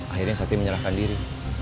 akhirnya sakti menyerahkan diri